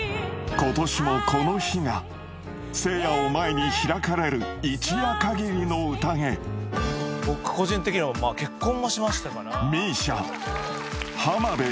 今年もこの日が聖夜を前に開かれる一夜限りの宴僕個人的には結婚もしましたから。